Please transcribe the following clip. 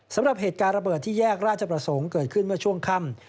สำหรับเหตุการณ์ระเบิดที่แยกราชประสงค์เกิดขึ้นเมื่อช่วงค่ำ